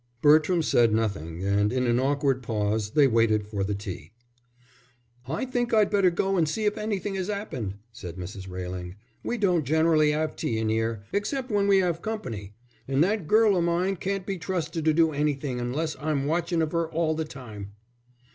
Bertram said nothing, and in an awkward pause they waited for the tea. "I think I'd better go an' see if anything 'as 'appened," said Mrs. Railing. "We don't generally 'ave tea in here, except when we 'ave company. And that girl of mine can't be trusted to do anything unless I'm watchin' of her all the time."